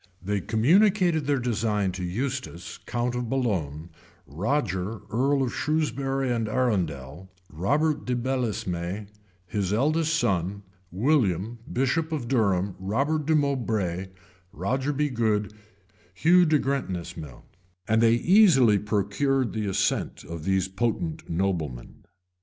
They communicated their design to Eustace, count of Boulogne Roger, earl of Shrewsbury and Arundel, Robert de Belesme, his eldest son, William, bishop of Durham, Robert de Moubray, Roger Bigod, Hugh de Grentmesnil; and they easily procured the assent of these potent noblemen.